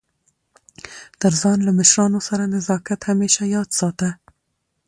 تر ځان له مشرانو سره نزاکت همېشه یاد ساته!